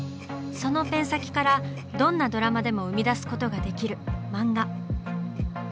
そのペン先からどんなドラマでも生み出すことができる「漫画」。